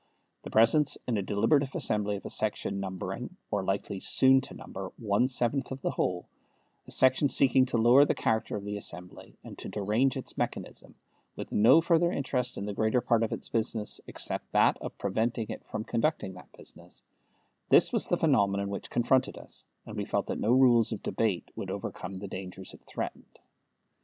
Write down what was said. The presence in a deliberative assembly of a section numbering (or likely soon to number) one seventh of the whole a section seeking to lower the character of the assembly, and to derange its mechanism, with no further interest in the greater part of its business except that of preventing it from conducting that business this was the phenomenon which confronted us, and we felt that no rules of debate would overcome the dangers it threatened.